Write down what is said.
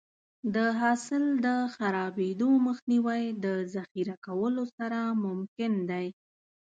د حاصل د خرابېدو مخنیوی د ذخیره کولو سره ممکن دی.